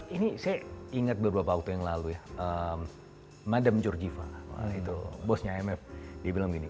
ini saya ingat beberapa waktu yang lalu ya madam georgiva itu bosnya imf dia bilang gini